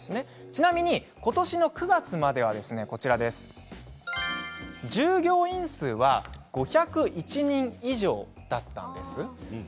ちなみに、ことしの９月までは従業員数は５０１人以上だったんです。